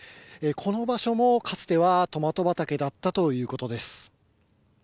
この場所もかつてはトマト畑だったということです。